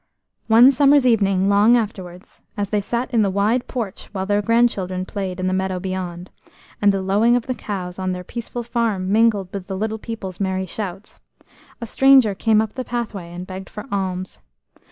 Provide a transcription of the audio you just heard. One summer's evening, long afterwards, as they sat in the wide porch, while their grandchildren played in the meadow beyond, and the lowing of the cows on their peaceful farm mingled with the little people's merry shouts, a stranger came up the pathway and begged for alms.